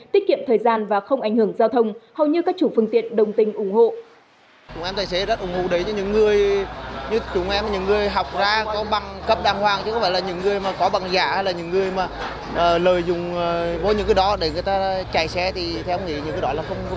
tiết kiệm thời gian và không ảnh hưởng giao thông hầu như các chủ phương tiện đồng tình ủng hộ